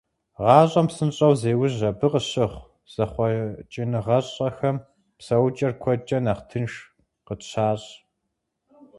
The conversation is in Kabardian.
ГъащӀэм псынщӀэу зеужь, абы къыщыхъу зэхъуэкӀыныгъэщӀэхэм псэукӀэр куэдкӀэ нэхъ тынш къытщащӀ.